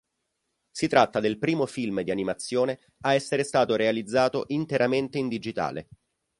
Si tratta del primo film di animazione a essere stato realizzato interamente in digitale.